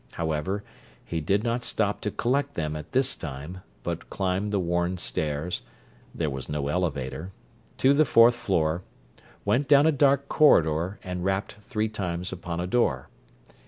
However, he did not stop to collect them at this time, but climbed the worn stairs—there was no elevator—to the fourth floor, went down a dark corridor, and rapped three times upon a door.